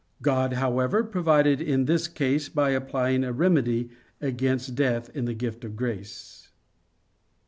God, however, provided in this case by applying a remedy against death in the gift of grace.